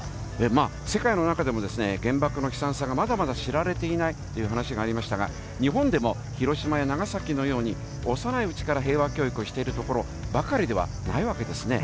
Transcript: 世界の中でも、原爆の悲惨さがまだまだ知られていないっていう話がありましたが、日本でも広島や長崎のように、幼いうちから平和教育をしているところばかりではないわけですね。